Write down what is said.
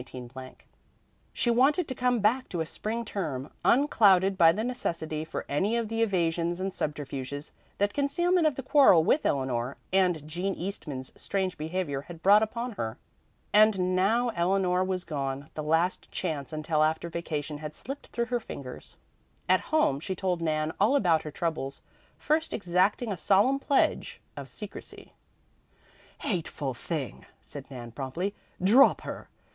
She wanted to come back to a spring term unclouded by the necessity for any of the evasions and subterfuges that concealment of the quarrel with Eleanor and Jean Eastman's strange behavior had brought upon her. And now Eleanor was gone; the last chance until after vacation had slipped through her fingers. At home she told Nan all about her troubles, first exacting a solemn pledge of secrecy. "Hateful thing!" said Nan promptly. "Drop her.